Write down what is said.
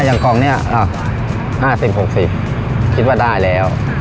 อย่างกองนี้๕๐๖๐คิดว่าได้แล้ว